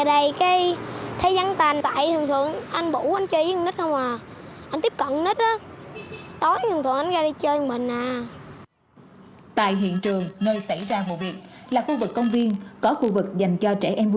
tại hiện trường nơi xảy ra vụ việc là khu vực công viên